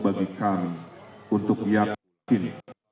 bagi kami untuk yakin